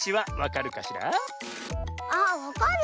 あっわかる。